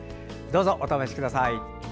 どうぞ、お試しください。